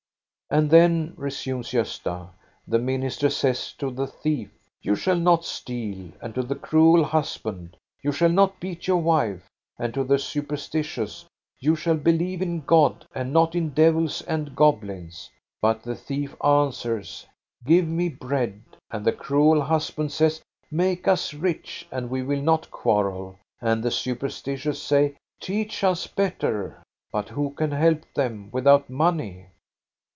" And then," resumes Gosta, " the minister says THE DROUGHT 38 1 to the thief: You shall not steal; and to the cruel husband : You shall not beat your wife ; and to the superstitious: You shall believe in God and not in devils and goblins. But the thief answers : Give me bread; and the cruel husband says: Make us rich, and we will not quarrel ; and the superstitious say : Teach us better. But who can help them without money?"